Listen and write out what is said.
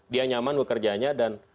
dia nyaman bekerjanya dan